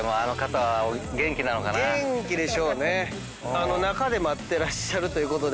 あの中で待ってるということで。